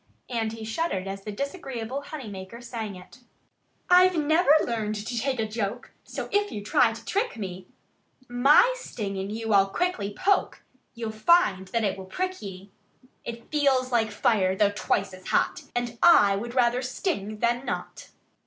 And he shuddered as the disagreeable honey maker sang it: "I've never learned to take a joke; So if you try to trick me, My sting in you I'll quickly poke You'll find that it will prick ye! It feels like fire though twice as hot. And I would rather sting than not!"